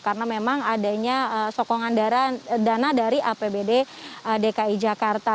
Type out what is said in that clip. karena memang adanya sokongan dana dari apbd dki jakarta